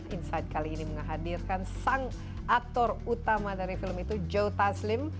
insight kali ini menghadirkan sang aktor utama dari film itu joe taslim